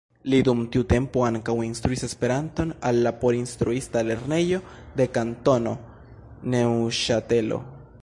Li dum tiu tempo ankaŭ instruis Esperanton al la porinstruista lernejo de Kantono Neŭŝatelo.